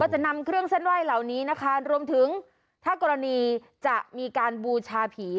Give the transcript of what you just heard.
จะนำเครื่องเส้นไหว้เหล่านี้นะคะรวมถึงถ้ากรณีจะมีการบูชาผี